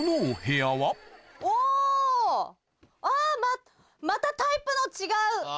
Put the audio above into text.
あっまたタイプの違う。